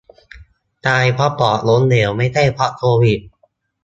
ตายเพราะปอดล้มเหลว ไม่ใช่เพราะโควิด